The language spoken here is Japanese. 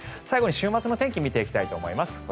最後に週末の天気を見ていきたいと思います。